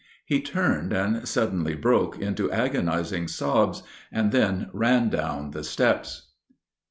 He turned and suddenly broke into agonizing sobs and then ran down the steps.